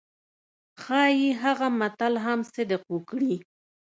ښايي هغه متل هم صدق وکړي.